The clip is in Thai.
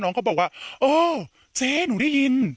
นั้นเขาบอกว่าเจ๊หนูได้ยิน